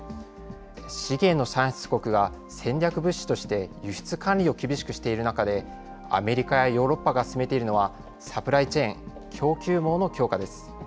資源の産出国が戦略物資として、輸出管理を厳しくしている中で、アメリカやヨーロッパが進めているのは、サプライチェーン・供給網の強化です。